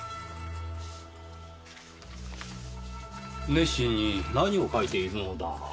熱心に何を書いているのだ？